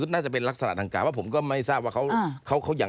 น่าจะเป็นรักษณะด่างกาย